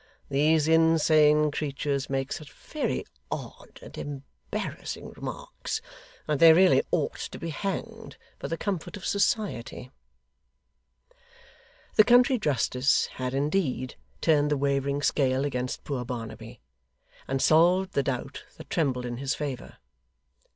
These insane creatures make such very odd and embarrassing remarks, that they really ought to be hanged for the comfort of society.' The country justice had indeed turned the wavering scale against poor Barnaby, and solved the doubt that trembled in his favour.